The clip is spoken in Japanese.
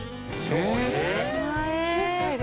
９歳で？